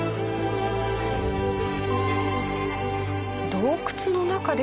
洞窟の中です。